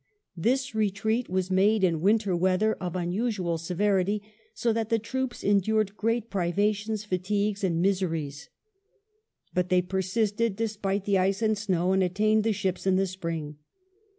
This retreat was made in winter weather of unusual severity, so that the troops endured great privations, fatigues, and miseries. But they persisted, despite the ice and snow, and attained the ships in the spring.